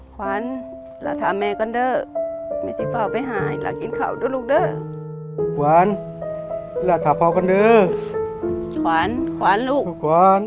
พ่อน้องไปหาลูก